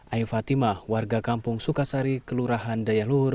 ai fatimah warga kampung sukasari kelurahan dayalur